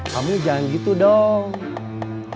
kamu jangan gitu dong